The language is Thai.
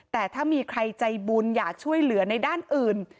แต่ถ้ามีใครใจบุญอยากช่วยเหลือในด้านอื่น